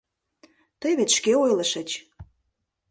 — Тый вет шке ойлышыч.